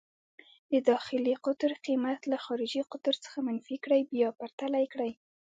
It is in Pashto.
د داخلي قطر قېمت له خارجي قطر څخه منفي کړئ، بیا پرتله یې کړئ.